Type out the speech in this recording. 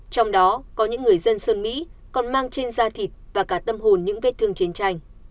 trong đó có những người dân sơn mỹ còn mang trên da thịt và cả tâm hồn những vết thương chiến tranh